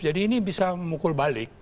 jadi ini bisa memukul balik